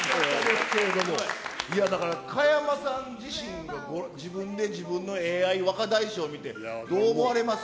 だから、加山さん自身が自分で自分のＡＩ若大将見て、どう思われます？